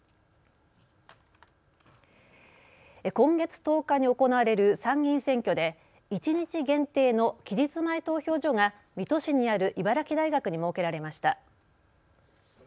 今月１０日に行われる参議院選挙で一日限定の期日前投票所が水戸市にある茨城大学に設けられました。